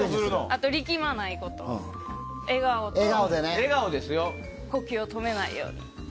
あと、力まないこと笑顔と呼吸を止めないように。